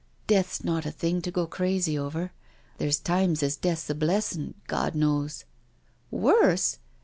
" Death's not a thing to go crazy over. There's times as death's a blessin'. Gawd knows "" Worse?"